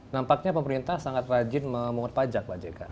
nampaknya pemerintah sangat rajin memungut pajak pak jk